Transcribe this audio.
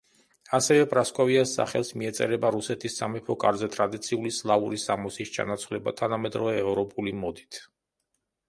ასევე პრასკოვიას სახელს მიეწერება რუსეთის სამეფო კარზე ტრადიციული სლავური სამოსის ჩანაცვლება თანამედროვე ევროპული მოდით.